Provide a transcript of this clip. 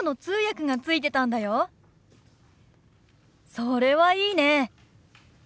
それはいいね。